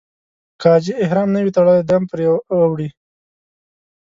که حاجي احرام نه وي تړلی دم پرې اوړي.